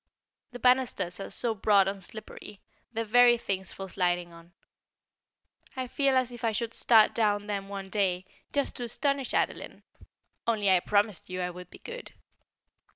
The bannisters are so broad and slippery the very things for sliding on. I feel as if I should start down them one day, just to astonish Adeline, only I promised you I would be good.